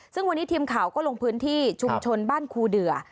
ซึ่งวันนี้ทีมข่าวก็ลงพื้นที่ชุมชนบ้านครูเดือ